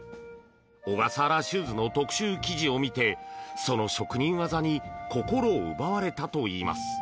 小笠原シューズの特集記事を見てその職人技に心を奪われたといいます。